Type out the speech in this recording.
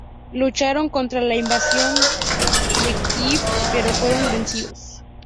Lucharon contra la invasión de Sviatoslav I de Kiev pero fueron vencidos.